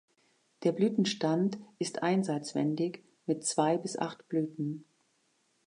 Der Blütenstand ist einseitswendig mit zwei bis acht Blüten.